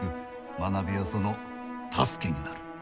学びはその助けになる。